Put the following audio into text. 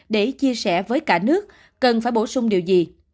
để chia sẻ với cả nước cần phải bổ sung điều gì